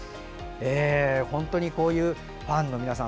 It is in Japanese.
本当にこういうファンの皆さん